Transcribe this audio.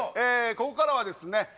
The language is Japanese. ここからはですね